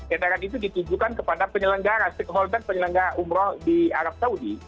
edaran itu ditujukan kepada penyelenggara stakeholder penyelenggara umroh di arab saudi